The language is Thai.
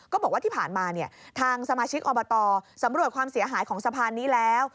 ก็บอกว่าที่ผ่านมาเนี่ยทางสมาชิกอบตสำรวจความเสียหายของสะพานนี้แล้ว